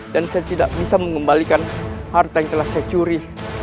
dan saya tidak bisa mengembalikan harta yang telah saya curi